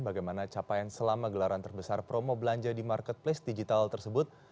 bagaimana capaian selama gelaran terbesar promo belanja di marketplace digital tersebut